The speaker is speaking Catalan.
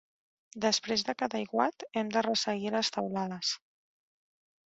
Després de cada aiguat hem de resseguir les teulades.